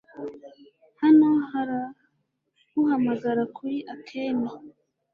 Hano haraguhamagara kuri Akemi.